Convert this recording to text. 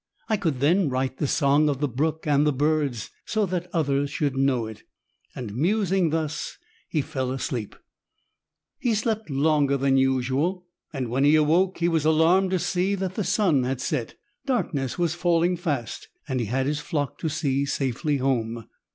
I could then write the song of the brook and the birds, so that others should know it." And musing thus, he fell asleep. He slept longer than usual, and when he awoke, he was alarmed to see that the sun had set. Darkness was falling fast, and he had his flock to see safely home.